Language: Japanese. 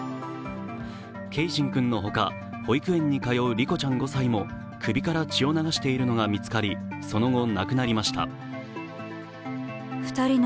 継真君のほか、保育園に通う梨心ちゃん５歳も首から血を流しているのが見つかり、その後、亡くなりました。